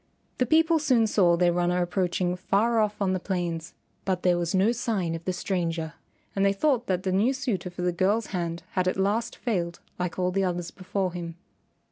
The people soon saw their runner approaching far off on the plains, but there was no sign of the stranger, and they thought that the new suitor for the girl's hand had at last failed like all the others before him.